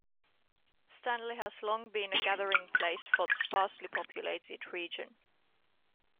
Stanley has long been a gathering place for the sparsely populated region.